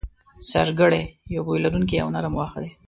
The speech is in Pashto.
سرګړی یو بوی لرونکی او نرم واخه دی